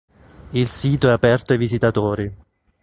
Il sito è aperto ai visitatori.